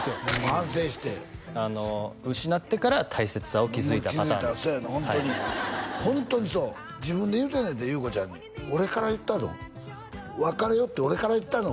反省して失ってから大切さを気づいたパターンですせやなホントにホントにそう自分で言うてんねんって裕子ちゃんに「俺から言ったの？」「別れようって俺から言ったの？」